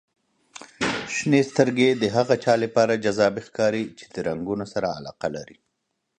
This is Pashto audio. • شنې سترګې د هغه چا لپاره جذابې ښکاري چې د رنګونو سره علاقه لري.